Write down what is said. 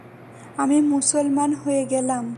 আমি মুসলমান হয়ে গেলাম।